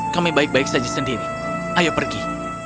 kami baik baik saja sendiri ayo pergi